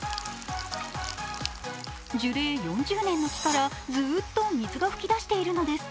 樹齢４０年の木からずーっと水が噴き出しているのです。